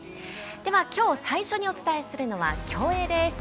では今日最初にお伝えするのは競泳です。